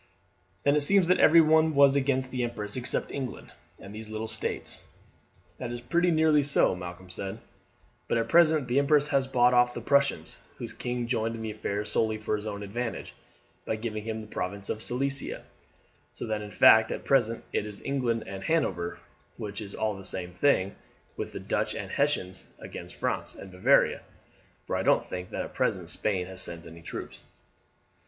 "Then it seems that everyone was against the empress except England and these three little states." "That is pretty nearly so," Malcolm said; "but at present the empress has bought off the Prussians, whose king joined in the affair solely for his own advantage, by giving him the province of Silesia, so that in fact at present it is England and Hanover, which is all the same thing, with the Dutch and Hessians, against France and Bavaria, for I don't think that at present Spain has sent any troops."